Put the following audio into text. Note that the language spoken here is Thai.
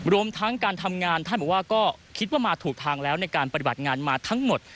รวมทั้งการทำงานท่านบอกว่าก็คิดว่ามาถูกทางแล้วในการปฏิบัติงานมาทั้งหมด